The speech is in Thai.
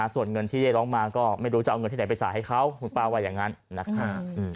ส่วนเงินที่ได้ร้องมาก็ไม่รู้จะเอาเงินที่ไหนไปจ่ายให้เขาคุณป้าว่าอย่างนั้นนะครับ